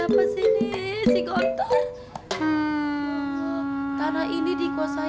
apa nih yang indah